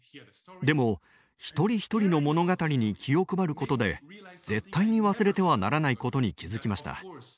でも一人一人の物語に気を配ることで絶対に忘れてはならないことに気付きました。